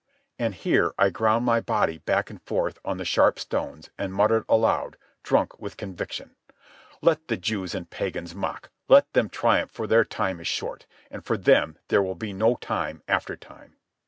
And here I ground my body back and forth on the sharp stones, and muttered aloud, drunk with conviction: "Let the Jews and Pagans mock. Let them triumph, for their time is short. And for them there will be no time after time."